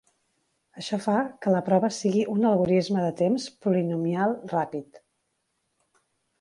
Això fa que la prova sigui un algorisme de temps polinomial ràpid.